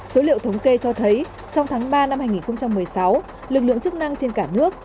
số liệu thống kê cho thấy trong tháng ba năm hai nghìn một mươi sáu lực lượng chức năng trên cả nước